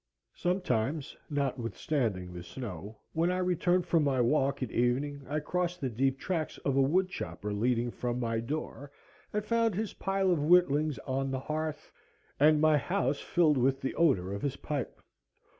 Sometimes, notwithstanding the snow, when I returned from my walk at evening I crossed the deep tracks of a woodchopper leading from my door, and found his pile of whittlings on the hearth, and my house filled with the odor of his pipe.